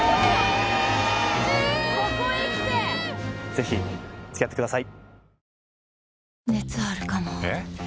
ぜひ付き合ってください